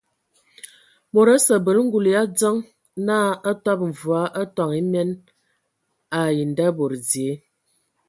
Mod osə abələ ngul yʼadzəŋ na utəbə mvɔa atoŋ emien ai ndabod dzie.